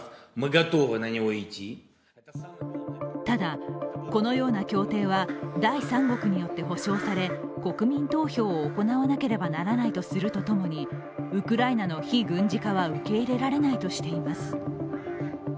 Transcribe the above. ただ、このような協定は第三国によって保証され国民投票を行わなければならないとするとともにウクライナの非軍事化は受け入れられないとしています。